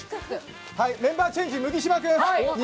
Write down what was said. はいメンバーチェンジ麦島君。